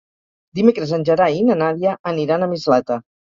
Dimecres en Gerai i na Nàdia aniran a Mislata.